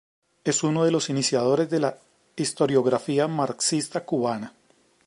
Es uno de los iniciadores de la historiografía marxista cubana.